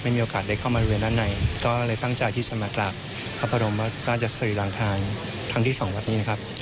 มีโอกาสได้เข้ามาบริเวณด้านในก็เลยตั้งใจที่จะมากราบพระบรมราชสรีรังคารทั้งที่สองวัดนี้นะครับ